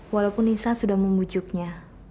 walaupun nisa sudah membujuknya